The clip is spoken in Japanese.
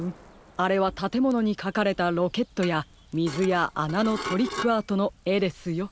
あれはたてものにかかれたロケットやみずやあなのトリックアートのえですよ。